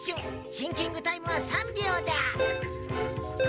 シンキングタイムは３びょうだ！